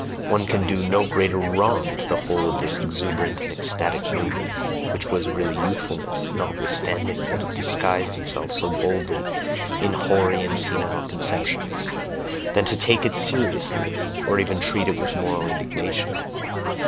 One can do no greater wrong to the whole of this exuberant and eccentric movement (which was really youthfulness, notwithstanding that it disguised itself so boldly, in hoary and senile conceptions), than to take it seriously, or even treat it with moral indignation.